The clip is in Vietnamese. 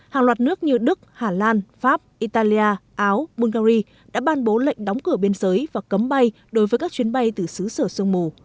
hàng loạt nước như đức hà lan pháp italia áo bulgari đã ban bố lệnh đóng cửa biên giới và cấm bay đối với các chuyến bay từ xứ sở sương mù